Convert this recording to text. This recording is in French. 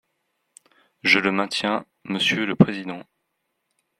Je le maintiens, monsieur le président.